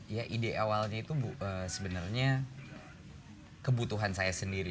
ya ide awalnya itu sebenarnya kebutuhan saya sendiri